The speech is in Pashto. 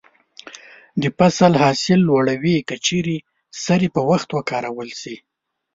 د فصل حاصل لوړوي که چیرې سرې په وخت وکارول شي.